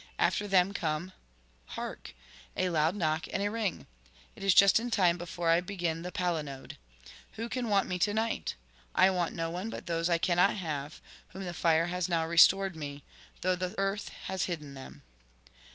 After them come Hark! a loud knock and a ring. It is just in time before I begin the palinode. Who can want me to night? I want no one but those I cannot have, whom the fire has now restored me, though the earth has hidden them.